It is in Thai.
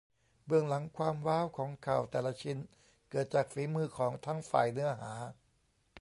เบื้องหลังความว้าวของข่าวแต่ละชิ้นเกิดจากฝีมือของทั้งฝ่ายเนื้อหา